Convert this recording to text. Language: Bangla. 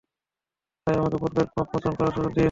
তাই আমাকে পূর্বের পাপমোচন করার সুযোগ দিন।